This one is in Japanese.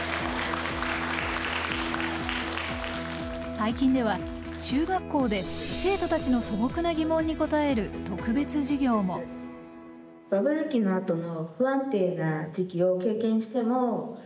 最近では中学校で生徒たちの素朴な疑問に答える特別授業も。について聞きたいです。